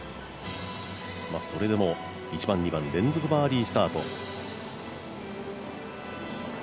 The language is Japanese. それでも１番、２番連続バーディースタート。